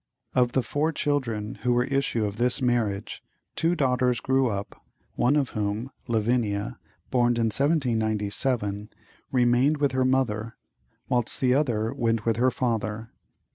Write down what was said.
Of the four children who were issue of this marriage, two daughters grew up, one of whom, Lavinia, born in 1797, remained with her mother, whilst the other went with her father.